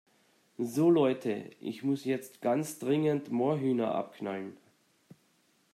So Leute, ich muss jetzt ganz dringend Moorhühner abknallen.